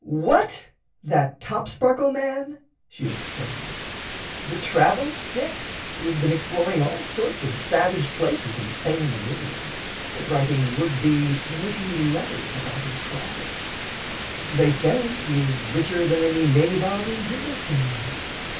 "What, that Topsparkle man!" she exclaimed "the traveled Cit who has been exploring all sorts of savage places in Spain and Italy, and writing would be witty letters about his travels. They say he is richer than any nabob in Hindostan.